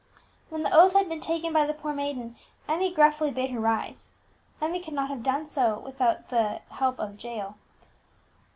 When the oath had been taken by the poor maiden, Harper gruffly bade her rise. Emmie could not have done so without the help of Jael.